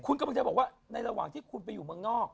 คุณกำลังจะบอกว่าในระหว่างที่คุณไปอยู่เมืองนอก